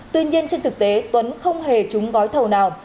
tuy nhiên trên thực tế tuấn không hề trúng gói thầu nào